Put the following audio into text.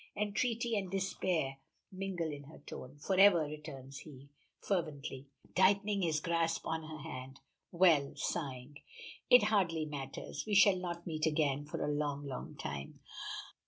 Entreaty and despair mingle in her tone. "Forever!" returns he, fervently, tightening his grasp on her hand. "Well," sighing, "it hardly matters. We shall not meet again for a long, long time."